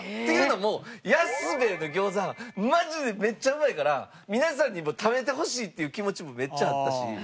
というのも安兵衛の餃子マジでめっちゃうまいから皆さんにも食べてほしいっていう気持ちもめっちゃあったし。